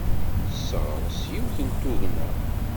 Tesseɣres yiwet n tugna.